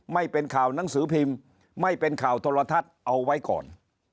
ไม่เป็นข่าวหนังสือพิมพ์ไม่เป็นข่าวโทรทัศน์เอาไว้ก่อน